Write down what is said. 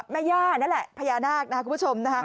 แม่ย่านั่นแหละพญานาคนะครับคุณผู้ชมนะคะ